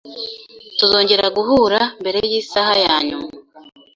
Tuzongera guhura mbere yisaha yanyuma